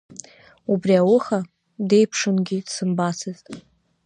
Убри ауха деиԥшынгьы дсымбацызт.